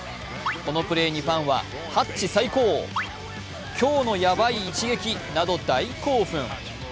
このプレーにファンはハッチ最高、今日のヤバイ一撃など大興奮。